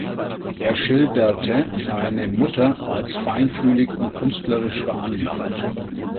Er schilderte seine Mutter als feinfühlig und künstlerisch veranlagt.